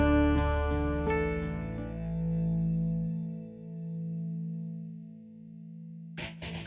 aku mau ke rumah